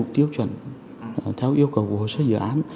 tiêu chuẩn theo yêu cầu của hồ sơ dự án